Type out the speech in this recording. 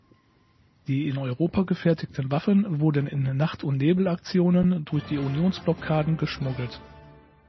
Die in Europa gefertigten Waffen wurden in Nacht-und-Nebel-Aktionen durch die Unions-Blockaden geschmuggelt.